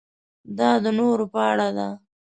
دا د نورو په اړه ده.